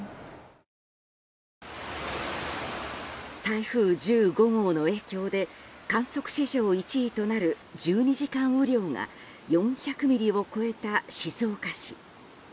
台風１５号の影響で観測史上１位となる１２時間雨量が４００ミリを超えた静岡市。